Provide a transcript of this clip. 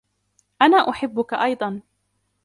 أنا أحبك أيضا.